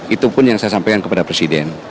itu pun yang saya sampaikan kepada presiden